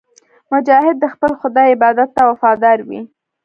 مجاهد د خپل خدای عبادت ته وفادار وي.